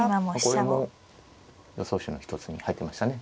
これも予想手の一つに入ってましたね。